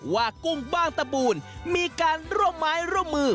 ว่ากุ้งบ้างตะบูนมีกันร่มมายร่มมือ